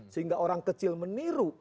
sehingga orang kecil meniru